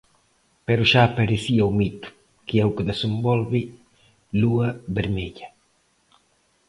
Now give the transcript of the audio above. Pero xa aparecía o mito, que é o que desenvolve Lúa Vermella.